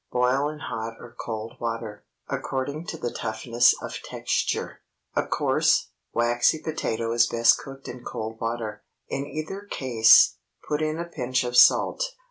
Boil in hot or cold water, according to the toughness of texture. A coarse, waxy potato is best cooked in cold water. In either case, put in a pinch of salt.